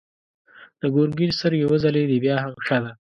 د ګرګين سترګې وځلېدې: بيا هم ښه ده.